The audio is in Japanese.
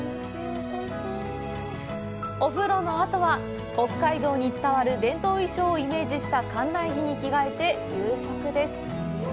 お風呂のあとは北海道に伝わる伝統衣装をイメージした館内着に着がえて夕食です。